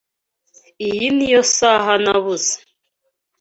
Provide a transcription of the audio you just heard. Iyi niyo saha nabuze.